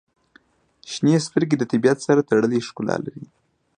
• شنې سترګې د طبیعت سره تړلې ښکلا لري.